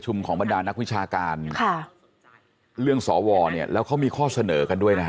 ผมไม่ได้มาจากการเลือกตั้งนะ